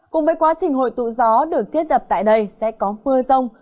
cùng với quá trình hội tụ gió được thiết lập tại đây sẽ có mưa rông